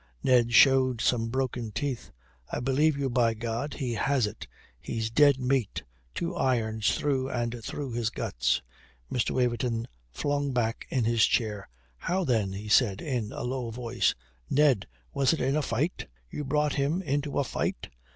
Ned showed some broken teeth. "I believe you, by God. He has it. He's dead meat. Two irons through and through his guts." Mr. Waverton flung back in his chair. "How then?" he said, in a low voice. "Ned was it in fight? You brought him into a fight?"